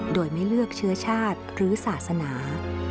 โดยไม่เลือกเชื้อชาติหรือศาสนา